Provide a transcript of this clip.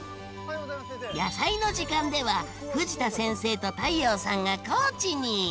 「やさいの時間」では藤田先生と太陽さんが高知に！